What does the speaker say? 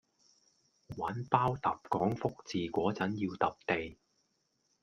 玩包揼講福字果陣要揼地